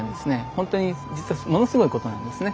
本当に実はものすごいことなんですね。